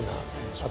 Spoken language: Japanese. あと